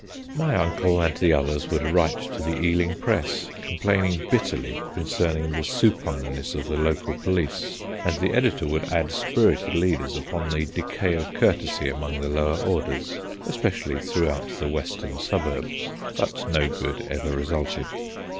My uncle and the others would write to the Ealing Press complaining bitterly concerning the supineness of the local police; and the editor would add spirited leaders upon the Decay of Courtesy among the Lower Orders, especially throughout the Western Suburbs. But no good ever resulted.